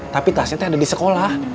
tapi tasnya ada di sekolah